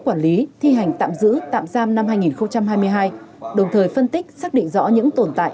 quản lý thi hành tạm giữ tạm giam năm hai nghìn hai mươi hai đồng thời phân tích xác định rõ những tồn tại